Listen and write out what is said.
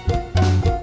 delapan satu komandan